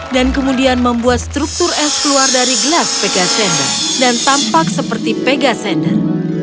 dan kemudian membuat struktur es keluar dari gelas pegasender dan tampak seperti pegasender